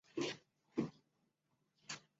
也会在人名与剧情当中加入这一类元素。